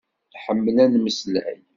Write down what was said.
Nḥemmel ad nmeslay.